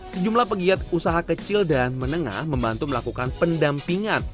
sejumlah pegiat usaha kecil dan menengah membantu melakukan pendampingan